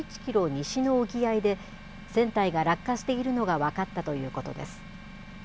西の沖合で、船体が落下しているのが分かったということです。